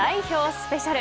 スペシャル